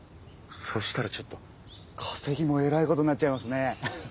そしたらちょっと稼ぎもえらい事になっちゃいますね！